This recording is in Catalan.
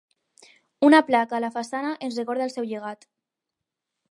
Una placa a la façana ens recorda el seu llegat.